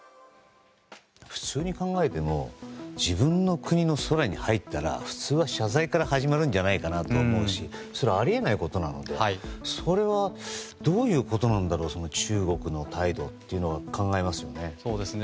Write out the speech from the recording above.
普通に考えても自分の国の空に入ったら普通は謝罪から始まるんじゃないかなと思うしあり得ないことなのでどういうことなんだろう中国の態度は？と考えますよね。